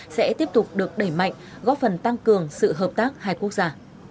sẽ tiếp tục được đẩy mạnh góp phần tăng cường sự hợp tác hai quốc gia